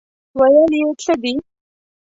ویل یې څه دي.